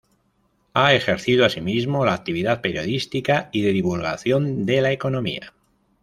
Ha ejercido asimismo la actividad periodística y de divulgación de la economía.